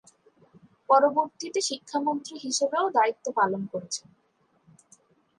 পরবর্তীতে শিক্ষামন্ত্রী হিসেবেও দায়িত্ব পালন করেছেন।